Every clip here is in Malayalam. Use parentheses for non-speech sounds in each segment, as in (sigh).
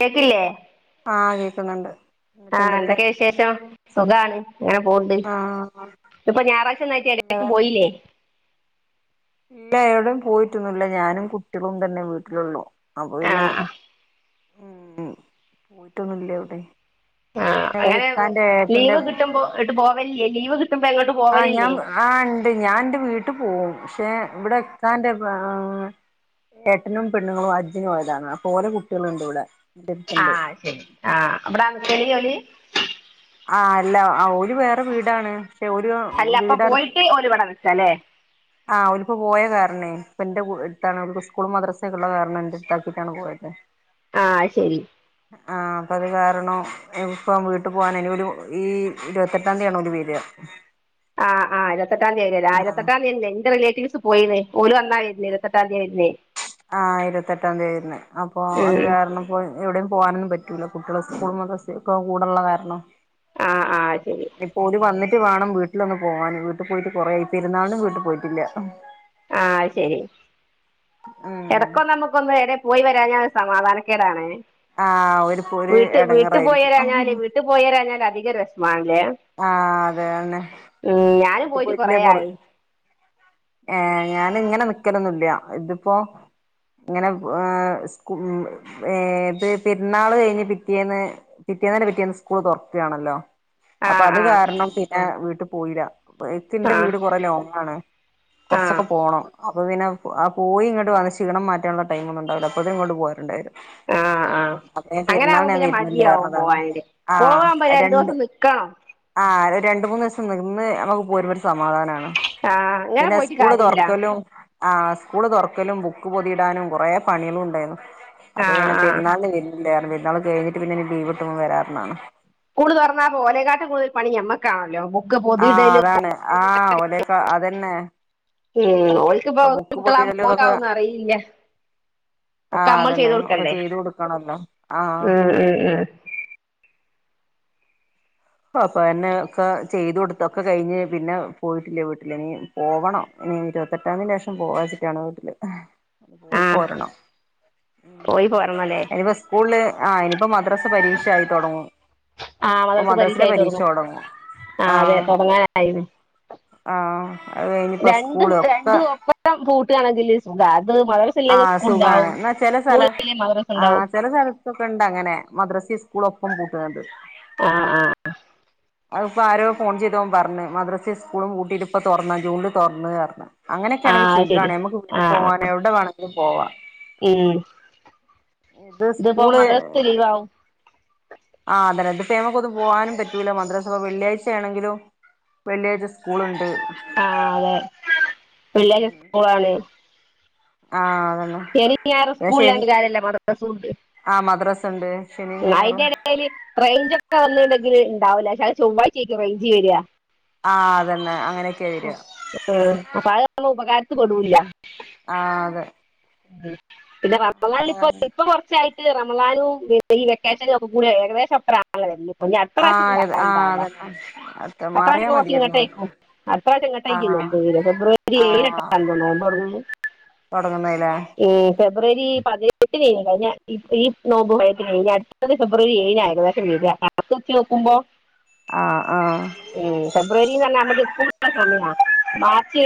കേക്കില്ലേ ആ കേക്കുന്നുണ്ട് ആ എന്തൊക്കെ വിശേഷം സുഖാണ് ഇങ്ങനെ പോണ്ട് ആഹ് ഇപ്പൊ ഞായറാഴ്ച എന്നന്നായിട്ട് എടേക്കും നല്ലതാണ് പോയില്ലേ ഇല്ല എവിടെയും പോയിട്ടൊന്നു ഇല്ല ഞാനും കുട്ടികളും തന്നെ വീട്ടിലുള്ളൂ അപ്പൊ പിന്നെ ആഹ് ഉം പോയിട്ടൊന്നില്ല ഇവിടെ ആഹ് പിന്നെ അങ്ങനെ വരക്കാന്റെ ഏട്ടന്റെ ലീവ് കിട്ടുമ്പോ എട്ട് പോവലില്ലേ ലീവ് കിട്ടുമ്പോ എങ്ങോട്ട് ആ പോവലില്ലേ ഞാൻ ആ ഉണ്ട് ഞാൻ എന്റെ വീട്ടി പോവും തേ ഇവിടെ ഇത്താന്റെ (unintelligible) ഏട്ടനും പെണ്ണുങ്ങളും ഹജ്ജിന് പോയതാണ് അപ്പൊ ഓലെ കുട്ടികളുണ്ട് ഇവിടെ ആ ഇന്റെടുത്തുണ്ട് ശരി ആ അവിടാ ജോലി (unintelligible) ആ അല്ല ആ ഓര് വേറെ വീടാണ് പക്ഷെ ഓര് അല്ല അപ്പൊ വീടഅടച്ചു പോയിട്ട് ഓല് ഇവിടെ നിക്കാല്ലേ ആ ഓരിപ്പോ പോയ കാരണേ ഇപ്പ എന്റെ ഇടത്താണ് ഉസ്കൂൾ മദ്രസൊക്കെ ഉള്ള കാരണം ഉണ്ട് എന്റെ ഇത്താക്കിയിട്ടാണ് പോയത് ആ ശരി ആ അപ്പം അത് കാരണം ഇപ്പം വീട്ടു പോവാൻ ഇനി ഒരു ഈ ഇരുപത്തെട്ടാം തീയാണ് ഓര് വരുവ ആ ഇരുപത്തെട്ടാം തീയതി ആഹ് ആയിരത്തെട്ടാം തീയതി എന്റെ റിലേറ്റ (unintelligible) പോയീന്ന്. ഓല് അന്നാ വരുന്നേ, ഇരുപതിയെട്ടാതീയാ വരുന്നേ. ആ, ഇരുപത്തെട്ടാം തീയതി വരണേ. അപ്പൊ ഉം അത് ഉം കാരണംപ്പോ എവിടെയും പോവാനൊന്നും പറ്റൂല. കുട്ടികളെ സ്കൂൾ മദ്രസൊക്കെ കൂടൊള്ള കാരണം, (inaudible) ആ, ആ ശരി. ട്ട് വേണം വീട്ടിലൊന്ന് പോവാന്. വീട്ടി പോയിട്ട് കൊറേ ആയി. പെരുന്നാളിനും വീട്ടിൽ പോയിട്ടില്ല. ആ ശരി. ഉം ഇടക്കൊന്ന് നമുക്കൊന്ന് (unintelligible) പോയി വരഞ്ഞാൽ (inaudible) സമാധാനക്കേടാണ്. ആഹ് ഓര്ക്ക് ഒരു വീട്ട് വീട്ടി എടങ്ങേറായിരിക്കും പോയിരാഞ്ഞാല് വീട്ടി പോയിരാഞ്ഞാൽ അധി (inaudible) ഭയങ്കര വെശ്മാണ്. ആ അതേന്നെ. ഉം ഞാനും വീട്ടി പോയിട്ട് കൊറേ പോയിട്ടില്ലേ ആയി പൊർതിയെടാണ്. ഏ ഞാനിങ്ങനെ നിക്കലൊന്നുല്ല. ഇതിപ്പോ- (inaudible) ഇങ്ങനെ, ഏ സ്കൂ ഏ ഇത്. പെരുന്നാള് കഴിഞ്ഞ് പിറ്റേന്ന് പിറ്റേന്നിന്റെ പിറ്റേന്ന് സ്കൂള് തൊറക്കാണല്ലോ, അപ്പൊ ആഹ് അത് ആഹ് കാരണം പിന്നെ വീട്ടി പോയില്ല. ഇ ഇക്കിന്റെ ആഹ് വീട് കൊറെ ലോങ്ങാണ്. ആഹ് കൊറച്ചൊക്കെ പോണം. അപ്പോ പിന്നെ ആ പോയി ഇങ്ങട്ട് വന്ന് ക്ഷീണം മാറ്റാനുള്ള ടൈം ഒന്നും ഉണ്ടാവില്ല, അപ്പോഴത്തേക്ക് ഇങ്ങട്ട് പോരേൻണ്ടെരും. ആ (inaudible) ആ. അങ്ങനെ ആവുമ്പോ ഞാൻ പിന്നെ വരുന്നില്ല മടിയാവും പറഞ്ഞതാണ് പോവാന്ല്ലേ? പോവുമ്പോ രണ്ടുസം നിക്കണം. ആ. ഒരു രണ്ട് മൂന്നുസം നിന്ന് നമുക്ക് പോരുമ്പോ (inaudible) സമാ (inaudible) ആഹ് അങ്ങനെ പോയിട്ട് കാര്യല്ല ആ. സ്കൂള് തുറക്കലും, ബുക്ക് പൊതിയിടാനും, കൊറെ പണികളും ഉണ്ടായിരുന്നു. അപ്പൊ ആഹ് പിന്നെ ആഹ് പെരുന്നാളിന് ലീവ് ഇല്ലറിഞ്. പെരുന്നാള് കഴിഞ്ഞിട്ട് പിന്നെ ഇനി ലീവ് കിട്ടുമ്പോ വര പറഞ്ഞാണ്. സ്കൂള് തുറന്നാ ഓലേക്കാട്ടും കൂടുതൽ പണി ഞമ്മക്കാണല്ലോ ബു (inaudible) ആ അതാണ്. ആ ഓലെക്കെ അതന്നെ. മ്മ്, ഓൽക്കിപ്പോ ഇപ്പൊ ബുക്ക് (unintelligible) പൊതിയിടലും ഇതൊക്കെ ഓൽക്കതൊന്നും അറിയില്ല. ഒക്കെ ആഹ് അമ്മൾ ചെയ്ത് അതന്നെ ഒക്കെ കൊടുക്കണ്ടേ. ചെയ്ത് കൊടുക്കണല്ലോ ആഹ് ! ഉം- ഉം -ഉം. (unintelligible) എന്നെ ഒക്കെ ചെയ്തു കൊടുത്തൊക്കെ കഴിഞ്ഞ്, പിന്നെ പോയിട്ടില്ല വീട്ടില്, ഇഞ് പോണം. ഇനി ഇരുവത്തെട്ടാതീന്റെ ശേഷം പോവാച്ചിട്ടാണ് വീട്ടില്. (unintelligible) പോയി ആഹ് പോരണം. പോയി പോരണല്ലേ ഇനിപ്പ സ്കൂളില്, ആ ഇനിപ്പോ മദ്രസ് പരീക്ഷ ആയിത്തൊടങ്ങും. ആ മദ്രസ പരീക്ഷ ആയിത്തൊടങ്ങും. ആ അതെ. ആഹ് തൊടങ്ങാനായിന്. ആഹ് അത് കഴിഞ്ഞിപ്പോ രണ്ട്, സ്കൂള് ഒക്കെ രണ്ടും ഒപ്പം പൂട്ടാണെങ്കില് സുഖാ. മദ്രസ ആ ഇല്ലെങ്കിൽ സ്കൂൾ സുഖാണ് ഉണ്ടാവും എന്ന ചെല സ്ഥല സ്കൂളില്ലെങ്കിൽ മദ്രസ ആ ഉണ്ടാവും ചെല സ്ഥലത്തൊക്കെ ഇണ്ട് അങ്ങനെ മദ്രസ്സേം സ് സ്കൂള് ഒപ്പം പൂട്ടണ്ടാണത് ആ ആ അത്പ്പോ ആരോ ഫോൺ ചെയ്തോൻ പറഞ്ഞു മദ്രാസേം സ്കൂളും പൂട്ടിട്ട് ഇപ്പ തോറന്ന് ജൂണില് തോർന്നന്ന് പറഞ്ഞു ആ അങ്ങനൊക്കെയാണെങ്കിൽ അത് ശരി സുഖമാണ് നമ്മക്ക് ആ വീട്ടിൽ ആ പോവാന് എവിടെ വേണെങ്കിലും പോവാം ഉം ഇത് ഇതിപ്പോ സ്കൂള് മദ്രസ ലീവാവും ആ അതെന്നെ നമ്മക്കൊന്നും പോകാനും പറ്റൂല മദ്രസ ള്ള പ്പാ വെള്ളിയാഴ്ചയാണെങ്കിലും വെള്ളിയാഴ്ച്ച സ്കൂൾ ഇണ്ട് ആ അതെ വെള്ളിയാഴ്ച്ച സ്കൂളാണ് ആ ശനിം ഞായറും സ്കൂളിലന്റെ കാര്യല്ല മദ്രസല്ലേ ആ മദ്രാസ ഉണ്ട് ശനിയും (unintelligible) ന അതിന്റെ ഞായറും ഇടെല് റേഞ്ചും വന്നട്ടുെങ്കിൽ ഉണ്ടാവില്ല പക്ഷേ ചൊവ്വാഴ്ച്ചയിരിക്കും റേഞ്ച് വര്യാ ആ അതന്നെ അങ്ങനെയൊക്കെയ വരിക അപ്പ അത് ഒന്നും ഉപകാരത്തിൽ പെടൂല്ല ആ അതെ പിന്നെ പറഞ്ഞ (inaudible) ഇപ്പ ഇപ്പൊ കൊറച്ചായി അല്ല റമലാനും ഈ വെക്കേഷനും ഒക്കെ കൂടെ ഏകദേശം (inaudible) ആണേല്ലേ വര്ല്ല് ഇല്ല അത്ര ആ പ്രാവശ്യം ആ ഒന്നുണ്ടാവണ്ടാവില്ല അതന്നെ അത്ര പ്രാവശ്യം മാറിയാ കൊറച്ച് ഇങ്ങോട്ടാ മതിയായിരുന്നു യിരിക്കും അടുത്ത പ്രാവശ്യം ആ ഇങ്ങട്ടായിരിക്കും നോമ്പ് വര് ആ ഫെബ്രുവരി ഏഴോ എട്ടോ നോമ്പ് തുടങ്ങുന്നേ തോടങ്ങുന്നത് ലേ ഉംകൊ ഫെബ്രുവരി പതിനെട്ട് കഴിഞ്ഞ ഈ ഈ നോമ്പു (unintelligible) ഇനി അടുത്തത് ഫെബ്രുവരി ഏഴിനായിരുക്കും വര്യാ കണക്ക് വെച്ച് നോക്കുമ്പോ ആ ആ ഏ ഫെബ്രുവരിന്ന് തന്നെ നമ്മക്ക് സമയ മാർച്ച്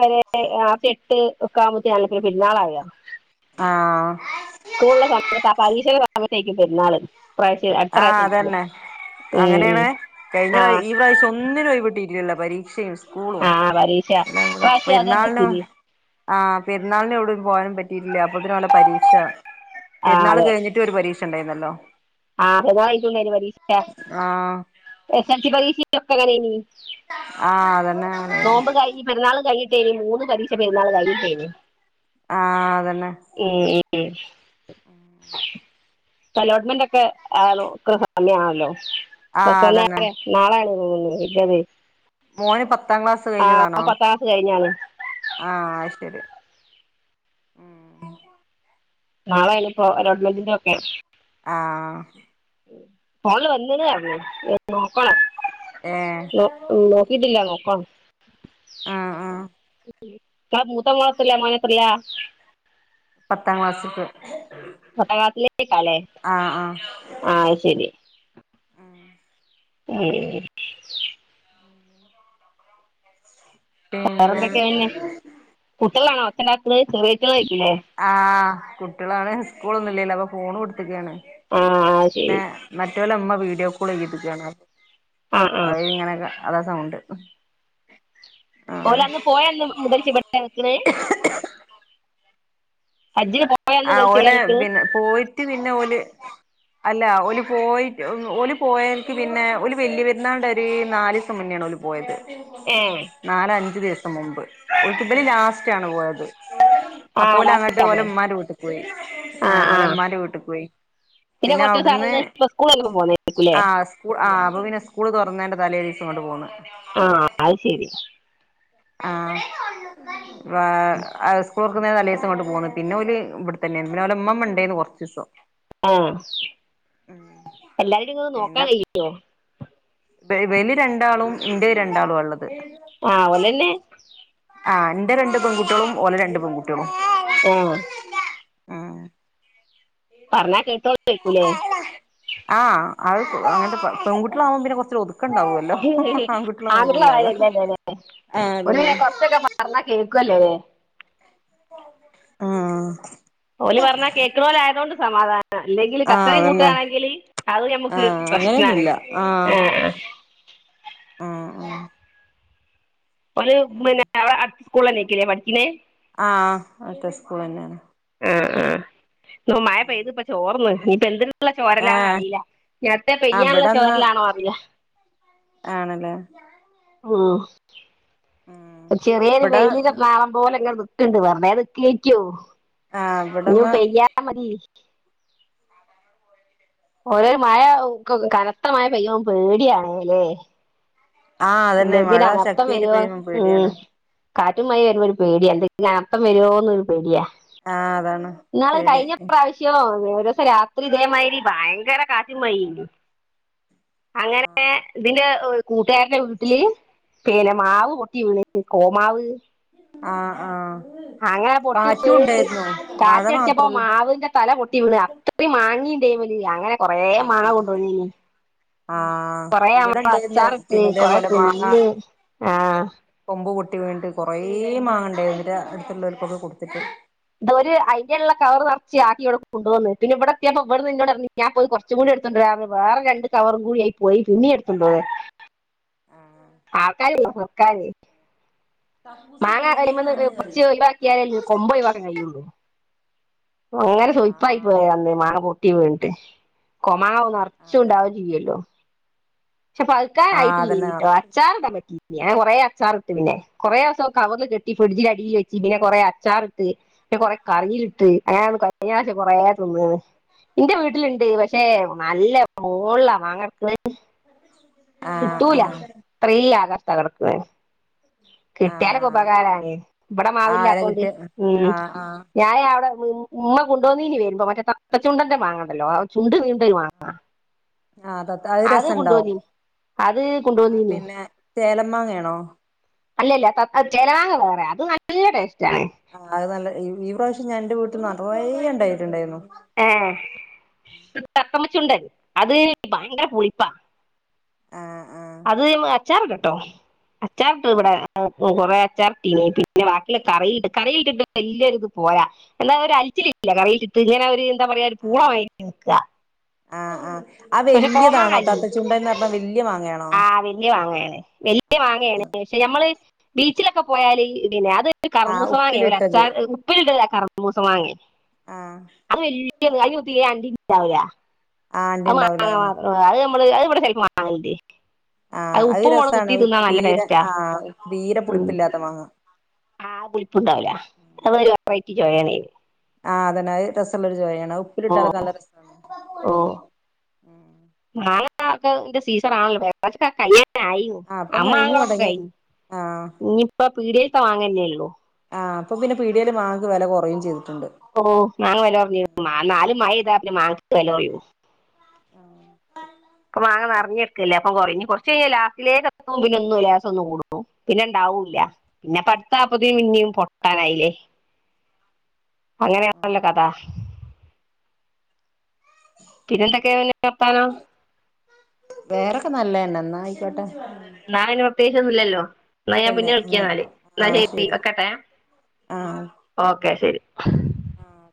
വരെ മാർച്ച് എട്ട് ഒക്കെ ആവുമ്പോത്തിന് പെരുന്നാളാവേ ആ സ്കൂളോള്ള സമയത്ത് ആ പരീക്ഷയുടെ സമത്തേക്കായിരിക്കും പെരുന്നാള് ആ അതന്നെ ഉം, ഉം. അങ്ങനെയാണ് കഴിഞ്ഞ ആ പ്രാവ ഈ പ്രാവശ്യം ഒന്നിനും ഒരു കുട്ടിം (unintelligible) ഉള്ള പരീക്ഷയും സ്കൂളും ആ പരീക്ഷ പ്രാവശ്യം അതന്നെ പെരുന്നാളിനും സ്ഥിതി ആ പെരുന്നാളിനും എവിടും പോകാനും പറ്റിയിട്ടില്ല അപ്പത്തിന് ഓന് പരീക്ഷ ആ പെരുന്നാള് അതെ കഴിഞ്ഞിട്ട് ഒരു പരീക്ഷ ഉണ്ടായിരുന്നല്ലോ ആ പെരുന്നാള് കഴിഞ്ഞിട്ടും ഉണ്ടായിരുന്നു ആഹ് എസ് എസ് ൽ സി പരീക്ഷ ഒക്കെ എങ്ങനെന്നു (unintelligible) ആ അതെ നോമ്പ് കൈഞ്ഞ് പെരുന്നാള് കഴയിട്ടേനി മൂന്ന് പരീക്ഷ പെരുന്നാള് കൈഞ്ഞിട്ടേനി ആഹ് ഏ ആ അലോട്ട്മെന്റ് ഒക്കെ ആ (unintelligible) ആണല്ലോ (unintelligible) ആഹ് അതന്നെ അപ്പൊത്തന്നെ നാളെ ആണെന്ന് തോന്നുന്നു (unintelligible) മോന് പത്താം ക്ലാസ് ആ കഴിഞ്ഞതാണോ പത്താം ക്ലാസ് കഴിഞ്ഞാണ് ആ ശരി ഉം നാളെ അല്ലേ ഇപ്പോ അലോട്മെന്റിന്റെ ഒക്കെ ആ ഫോൺല് വന്നൂ ന്ന് പറഞ്ഞു നോക്കോണം ഏഹ് നോ നോക്കിട്ടില്ലന്നെ (unintelligible) ആ ആ ഇത്താ മൂത്ത മോൻ (unintelligible) എത്രലാ പത്താം ക്ലാസ്സക് പത്താം ക്ലാസ്സിക്കല്ലേ ആഹ് ആ ശരി ഉം പിന്നെ വേറെന്തൊക്കെയ പിന്നെ കുട്ടികളാണോ ഒച്ചണ്ടാക്കത് ചെറിയറ്റേള്ആയിരിക്കും ആ കുട്ട്യോളാണ് സ്കൂളൊന്നും ഇല്ലല്ലോ അപ്പോ ഫോൺ കൊടു (unintelligible) ആ ആ പിന്നെ, ശരി മറ്റോലെ മ്മ വീഡിയോ കോൾ ചെയ്തിരിക്കാണ്. ആ ആ അയിങ്ങനെ ക അതാ സൗണ്ട്. ആഹ് ഓലന്ന് പോയന്ന് മുതൽച്ച് വീട്തന്നെ നിക്കണ്? ഹജ്ജിന് പോയന്ന് ആ മുതൽ ഇവിടെ ഓലെ നിക്കണ് പിന്നെ, പോയിട്ട് പിന്നെ ഓല് (inaudible) അല്ല. ഓല് പോയിട്ട് ഉം ഓല് പോയയ്ക്ക് പിന്നെ, ഓല് വല്യരുന്നാളിന്റെ ഒര് നാലീസം മുന്നേണ് (inaudible) (unintelligible) ഓല് പോയത്. ഏ നാല അഞ്ചു ദിവസം സംമുമ്പ്. ഓൽക് ഇവല് ലാസ്റ്റാണ് പോയത്. ആ അപ്പോലങ്ങട്ട് ലാസ്റ്റാ ഓലെ പോയത് ഉമ്മാന്റെ വീട്ട് (inaudible) പോയി. ആ ആഹ് ആ ഓലെമ്മാന്റെ വീട്ടിക്കോയി. പിന്നെ കുറച്ച് ദിവസം അവിടുന്ന് ഇപ്പൊ സ്കൂളൊക്കെ പോന്നേരിക്കൂലേ (inaudible) ആ സ്കൂ ആ അപ്പൊ പിന്നെ സ്കൂള് തുറന്നേന്റെ തലേ ദിവസം ഇങ്ങട്ട് പോന്ന്. ആ അത് ശരി (inaudible) ആാാ വേ (unintelligible) (unintelligible) തലേസംങ്ങട്ട് പോന്ന്. പിന്നെ ഓല് ഇവിടെത്തന്നെയ്ന്നു. പിന്നെ ഓലെമ്മമ്മ ഉണ്ടേന്ന് കൊറച്ചീസം. ആ. എല്ലാരീം ഇങ്ങക്ക് നോക്കാൻ (unintelligible) ഇബ ഇബല് രണ്ടാളും, ഇന്റെ രണ്ടാളുവാള്ളത്. ആ, ഓലെന്നെ? ആ. ന്റെ രണ്ട് പെൺകുട്ടോളും, ഓലെ രണ്ട് പെൺകുട്ടോളും. ഏ ആ. പറഞ്ഞാ കേട്ടോളേൽക്കുംല്ലേ? ആഹ് അത് അങ്ങത്തെ, പെൺകുട്ടേളാകുമ്പോ പിന്നെ കൊറച്ച് (inaudible) കുറച്ച് ഒതുക്കണ്ടാവൊല്ലോ ആൺകുട്ടേളെ മാതിരി അല്ലല്ലോ. ഓര് ന്നെ കൊറച്ചൊക്കെ പറഞ്ഞാൽ കേൾക്കുവല്ലേ ആഹ് ഓല് പറഞ്ഞാൽ കേൾക്കുണോലയോണ്ട് സമാധാനം. അല്ലെങ്കിൽ ആഹ് കച്ചറീം അതന്നെ കൂട്ടുകയാണെങ്കില് അത് ഞമ്മുക്ക് ആഹ് പ്രശ്നമാണ് അങ്ങനെയൊന്നുല്ല ആഹ് ആ അ മ്മ് ആഹ് ആഹ് ഓല് പിന്നെ അവിടെ അടുത്ത സ്കൂളന്നേരിക്കും ലെ പഠിക്കുന്നേ? ആഹ് അടുത്ത സ്കൂളിലെന്നെണ്. ആഹ് ആഹ് ഇന്നിപ്പോ മഴ പെയ്ത്പ്പോ ചോർന്ന് ഇനിപ്പോ എന്തിന് ള്ള ചോരലാന്ന് അറിയില്ല ഏഹ് നേരത്തെ പെയ്യാനുള്ള ഇവിടെന്ന് ചോരലാണോ അറിയില്ല. ആണല്ലേ ഉം ഉം ചെറിയൊരു ഇവിടെ വെയിലിന്റെ നാളം പോലെ ഇ ങ്ങനെ ക്ക്ണ് ണ്ട് വെറുതെ നിക്കേറിക്കോ ആഹ് ഇവിടെന്ന് പെയ്യാതിരുന്ന മതി. ഓരോരോ മഴ കനത്ത മഴ പെയ്യം പേടിയാണേല്ലേ? ആഹ് അതന്നെ എന്തക്ക മഴ അളക്കം ശക്തിയായിട്ട് വരുവോന്ന് പെയ്യുമ്പം ഉം പേടിയാണ് കാറ്റും മഴ വരുമ്പ ഒരു പേടിയ എന്തൊക്കും അനർത്ഥം വരുമോന്നൊരു പേടിയാ ആഹ് അതാണ് നിങ്ങളെ പേടി കഴിഞ്ഞ പ്രാവശ്യോ ഒരോസം രാത്രി ഇതേ മാരി ഭയങ്കര കാറ്റും മഴേ ഇടീം. അങ്ങനെ ആഹ് ഇതിന്റെ കൂട്ടുകാരടെ മാവ് പൊട്ടി വീണച്ച് കോമാവ്. ആ ആഹ് അങ്ങന പൊട്ടി കാറ്റും പോയിട്ട് ഉണ്ടായിരുന്നു മഴ കാറ്റടിച്ചപ്പോ മാത്രല്ല മാവിന്റെ തല പൊട്ടി വീണ് അത്രയും മങ്ങീ അങ്ങനെ കൊറെേ മാങ്ങ ആഹ് കൊണ്ടേയിന്നു. ആഹ് കൊറെ ഇവിടെ ഞങ്ങൾ ഉണ്ടായിരുന്നു അച്ചാറിട്ട് പിന്നെ കൊറെ ഇതേപോലെ മാങ്ങ തിന്ന് ആഹ് കൊമ്പ് പൊട്ടി വീണിട്ട് കൊറേ മാങ്ങണ്ടേന്ന് എന്നിട്ട് അടുത്തുള്ളോൽക്കൊക്കെ കൊടുത്തിട്ട് ഇതൊ അയിന്റെലുള്ള കവർ നറച്ച് ആക്കി ഇവിടെ കൊണ്ടുവന്ന് പിന്നെ ഇവിടെ എത്തിയപ്പോ ഇവിടെന്ന് ന്നോട് പറഞ്ഞു ഞാൻ പോയി കൊറച്ചുങ്ങൂടി എടുതൊണ്ടര പറഞ്ഞു വേറെ രണ്ട് കവറും കൂടിയായി പോയി പിന്നെ എടുത്തൊണ്ടരാൻ. ആഹ് ആൾക്കാർണ്ട് പെർക്കാന്. മാങ്ങ അതി മന്ന് പറിച് ഇഴവാക്കിയാലല്ല കൊമ്പ ഓയി വാക്കാൻ കഴിയുള്ളു അങ്ങനെ സോയിപ്പായി പോയ ആഹ് അന്നേ മാവ് പൊട്ടി വീണിട്ട് മാങ്ങാ നിറച്ചണ്ടാവ ചെയ്യല്ലോ പക്ഷെ പഴുക്കാൻ ആഹ് അതന്നെ ആഹ് ആഹ് ആയിട്ട് അതന്നെ ഇല്ലെനിം നറച്ചുണ്ടാവും അച്ചാറിടാൻ പറ്റിനിം ഞാൻ കുറെ അച്ചാർ ഇട്ട് പിന്നെ കുറെ ദിവസം കവറിൽ കെട്ടി ഫ്രിഡ്ജിൽ അടിൽ വെച്ച് പിന്നെ കുറെ അച്ചാർ ഇട്ട് കുറെ കറിയിലിട്ട് ഞ കഴിഞ്ഞയാശം കൊറെേ തിന്ന്ക്കണ് എന്റെ വീട്ടിലുണ്ട് പക്ഷെ നല്ല മുകളില മാങ്ങടക്ക അ കിട്ടൂല ഇത്ര ആകാശത്ത കിടക്കുന്ന കിട്ടിയാല ആഹ് ഉപകാരണ ആഹ് ഇവിടമാവില്ല അയിനെ അതൊണ്ട് കിട്ടിയ ഉ ആഹ് ആഹ് ഞാന അവിടെ ഉ ഉമ്മ കൊണ്ടുവോന്ന ഇനി വരുമ്പോ മറ്റേ തത്ത ചുണ്ടന്റെ മാങ്ങണ്ടല്ലോ ആ ചുണ്ട് വീ ആഹ് അത് രസണ്ടാവും കൊണ്ടപോന്ന ആ പിന്നെ ചേലമാങ്ങയാണോ അല്ലല്ല ചലവാങ്ങ വേറെ അത് നല്ല ടെസ്റ്റ്‌ ആ അത് നല്ല ഈ പ്രാവശ്യം ഞാൻ എന്റെ വീട്ടിൽ നിറേ ഉണ്ടായിട്ടുണ്ടായിരുന്നു ആഏ തത്തമ്മച്ചുണ്ടൻ അത് ഭയങ്കര പുളിപ്പാ ആ ആ അച്ചാർ ഇട്ട് കേട്ടോ അച്ചാറിട്ട് ഇവിടെ കൊറെേ അച്ചാറിട്ടീനി പിന്നെ ബാക്കില കറി കറിയി കിട്ട ഇല്ലത് പോയാ എന്തായ അവ അലിച്ചിലില്ല കറിയിൽട്ട് ഇഞനൻ അവര് എന്താ പറയാ ഒരു പൂള വഴ നിൽക്കുക ആഹ് ആഹ് ആ പക്ഷെ വലിയതാണോ തത്തച്ചുണ്ട എന്ന് പറഞ്ഞാൽ വല്യ മാങ്ങയാണോ ആഹ വല്ിയ വാങ്ങയാണ് വല്യ വാങ്ങയാണ് പക്ഷെ നഞമ്മള് ബീച്ചിലൊക്കെ പോയാല് ഇ പിന്നെ അത് കറ ആ മൂസം വാങ്ങിയ ഒരു ഉപ്പിലിട്ടത് അച്ചാ ഉപ്പിലിട ആ കറമ്മ മൂസം വാങ്ങിയ ആഹ ായിതി ആിാവാ (unintelligible) ആ ആണ്ടിണ്ടാവൂലായിരുന്നു നമ്മ അവിടെണ്ട് (unintelligible) ആഹ അത് രസമാണ് നല്ല തീരെ ടേസ്റ്റാ ആഹ് തീരെ പുളിപ്പില്ലാത്ത മാങ്ങ ആഹ് പുളിപ്പുണ്ടാവില്ല അ വറട്ടി ജോയ ആഹ അതന്നെ രസമുള്ളൊ ഒരു ചോരിയാണ് ഓ ഉപ്പിലിട്ടാലക്കെ നല്ല രസമാണ് ഉ ആഞക്കെ എന്റെ സീസറാണല്ലോ ക കഴ ആ അപ്പം അമ്മ് കഴിഞ്ഞു താങ്ങളൊക്കെ തുടങ്ങി കഴിഞ്ഞു ആ ഇനിയിപ്പ പീഡയിലത്തെ വാങ്ങന്നേള്ളു ആ അപ്പം പിന്നെ പിടിയൽ മാങ്ങക്ക് വില കുറയും ചെയ്തു ഓ മാാ വില പറഞ്ഞ മാ നാലും മഴ ഇതാെ മാങ്ങ വില പററോ അപ്പൊ മാങ്ങ നിറിഞ്ഞ വെക്കല അ കുറഞ് കുറച്ച് കഴി ലാസ്സിലേക്ക് എത്തും പിന്നെന്നും ലാസ ഒന്നും കൂടും പിന്നെണ്ടാവൂില്ല പിന്നെ പാപ്പത്തിയും ഇന്നിയും പൊക്കാനായില്ലേ അങ്ങനെയാണല്ലോ കഥ പിന്നെന്തൊക്കെയെ കപ്പാന വേറൊക്കെ നല്ലതന്നെ എന്നാ ആയിക്കോട്ടെ എന്നാെ പ്രത്യേകിച്ച ഒന്ന ഇല്ലല്ലോ എന്നാ ഞാൻ ഇല്ലല്ല പിന്നെ വിളിക്കിയ എന്നാല് എന്നാൽ ശരി ഒക്കട്ടെ ആഹ് ഓക്കെ ശരി ആഹ്